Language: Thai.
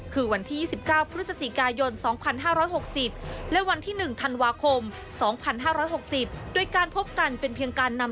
คือวันที่๒๙พฤศจิกายน๒๕๖๐